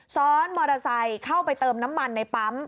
ซ้อนมอเตอร์ไซค์เข้าไปเติมน้ำมันในปั๊ม